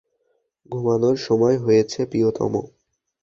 ঘুমানোর সময় হয়েছে, প্রিয়তম!